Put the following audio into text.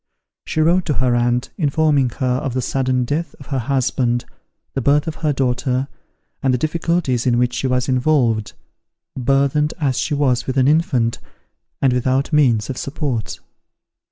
She wrote to her aunt, informing her of the sudden death of her husband, the birth of her daughter, and the difficulties in which she was involved, burthened as she was with an infant, and without means of support.